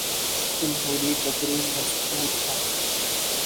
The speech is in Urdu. جمہوری قدریں مضبوط ہوں۔